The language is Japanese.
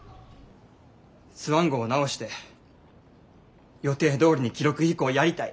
スワン号を直して予定どおりに記録飛行やりたい。